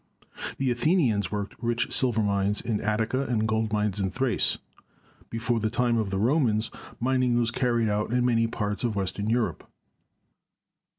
The Athenians worked rich silver mines in Attica and gold mines in Thrace. Before the time of the Romans, mining was carried on in many parts of Western Europe.